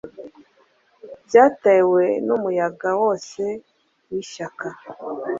Byatewe numuyaga wose wishyaka